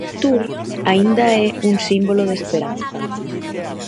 Artur aínda é un símbolo de esperanza.